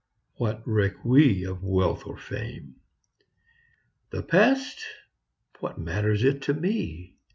What reck we now of wealth or fame? The past what matters it to me?